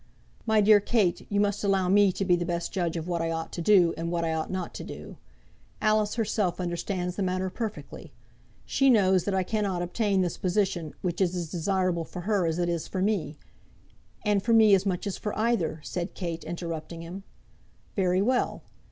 "My dear Kate, you must allow me to be the best judge of what I ought to do, and what I ought not to do. Alice herself understands the matter perfectly. She knows that I cannot obtain this position, which is as desirable for her as it is for me " "And for me as much as for either," said Kate, interrupting him. "Very well.